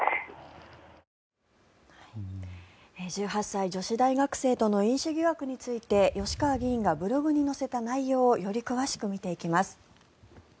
１８歳、女子大学生との飲酒疑惑について吉川議員がブログに載せた内容をより詳しく見ていきます。